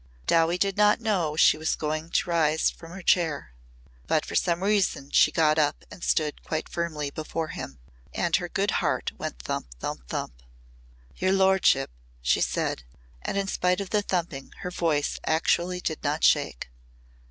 Dowie did not know she was going to rise from her chair. But for some reason she got up and stood quite firmly before him. And her good heart went thump thump thump. "Your lordship," she said and in spite of the thumping her voice actually did not shake.